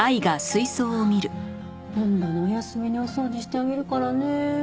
今度のお休みにお掃除してあげるからねえ。